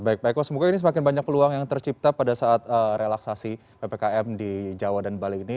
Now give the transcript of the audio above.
baik pak eko semoga ini semakin banyak peluang yang tercipta pada saat relaksasi ppkm di jawa dan bali ini